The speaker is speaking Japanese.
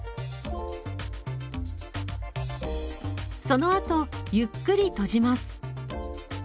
そのあとゆっくり閉じます。